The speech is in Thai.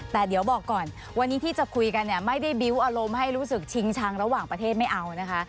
แต่เดี๋ยวบอกก่อนวันนี้ที่จะคุยกันเนี่ยไม่ได้บิ้วอารมณ์ให้รู้สึกชิงชังระหว่างประเทศไม่เอานะคะ